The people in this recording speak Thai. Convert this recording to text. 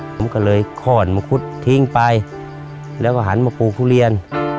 ผมก็เลยค่อนมะคุดทิ้งไปแล้วก็หันมาปลูกทุเรียน